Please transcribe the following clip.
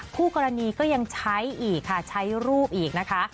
คู่กรณีก็ยังใช้อีกค่ะใช้รูปอีกนะคะ